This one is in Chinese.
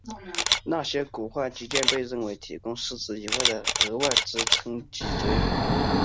这些骨化肌腱被认为提供四肢以外的额外支撑脊椎。